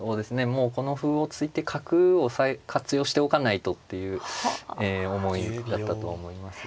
もうこの歩を突いて角を活用しておかないとっていう思いだったと思いますが。